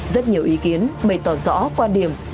rất nhiều ý kiến bày tỏ rõ quan điểm